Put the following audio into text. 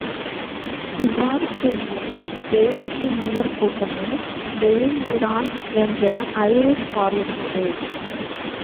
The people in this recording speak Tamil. இவ்வாறு கூடிய எழுபத்திமூவர் கூட்டமே டெயில் ஜரான் என்ற ஐரிஷ் பார்லிமென்டு.